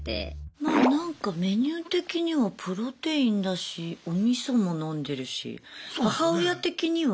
まあなんかメニュー的にはプロテインだしおみそも飲んでるし。